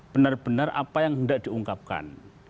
benar benar apa yang hendak diungkapkan